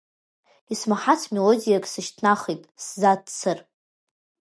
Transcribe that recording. Исмаҳац мелодиак сышьҭнахит, сзаццар.